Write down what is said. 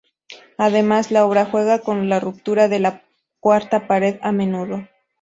Además, la obra juega con la ruptura de la cuarta pared a menudo.